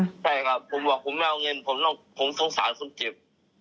ใช่ครับผมบอกผมไม่เอาเงินผมสงสารคนเจ็บ